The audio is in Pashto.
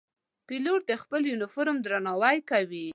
پیلوټ د خپل یونیفورم درناوی کوي.